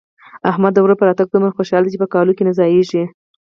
احمد د ورور په راتګ دومره خوشاله دی چې په کالو کې نه ځايېږي.